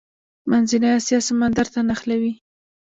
منځنۍ اسیا سمندر ته نښلوي.